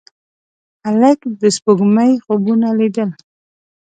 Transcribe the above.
هلک د سپوږمۍ خوبونه لیدل.